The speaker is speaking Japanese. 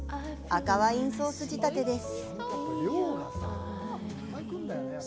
赤ワインソース仕立てです。